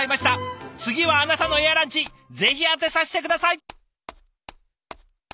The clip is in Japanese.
次はあなたのエアランチぜひ当てさせて下さい。